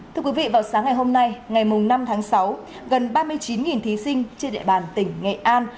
thưa quý vị vào sáng ngày hôm nay ngày năm tháng sáu gần ba mươi chín thí sinh trên địa bàn tỉnh nghệ an